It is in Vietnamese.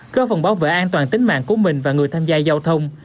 có phần bảo vệ an toàn tính mạng của mình và người tham gia giao thông